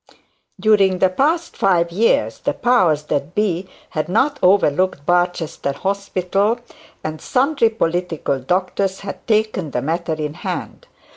During the past five years the powers that be had not overlooked Barchester Hospital, and sundry political doctors had taken the matter in hand.